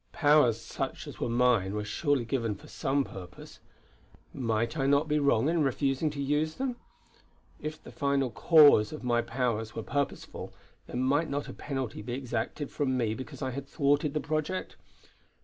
Powers such as were mine were surely given for some purpose. Might I not be wrong in refusing to use them. If the Final Cause of my powers were purposeful, then might not a penalty be exacted from me because I had thwarted the project.